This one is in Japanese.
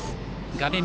画面